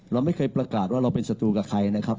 เราไม่เคยประกาศว่าเราเป็นศัตรูกับใครนะครับ